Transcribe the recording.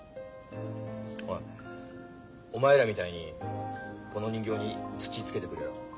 おいお前らみたいにこの人形に土つけてくれよ。